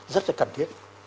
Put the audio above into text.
rất là cần thiết